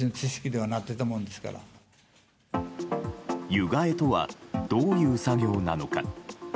湯換えとはどういう作業なのか。